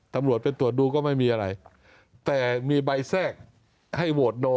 ทำรวจไปตรวจดูก็ไม่มีอะไร